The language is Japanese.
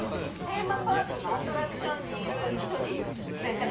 テーマパークのアトラクションにいるひとになりたかった。